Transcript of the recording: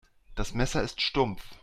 Das Messer ist stumpf.